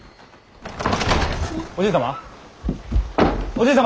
おじい様？